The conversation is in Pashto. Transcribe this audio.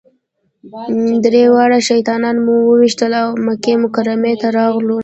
درې واړه شیطانان مو وويشتل او مکې مکرمې ته راغلو.